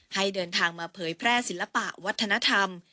ให้เดินทางมาเผยแพร่ศิลปะวัฒนธรรม